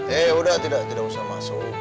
eh udah tidak tidak usah masuk ya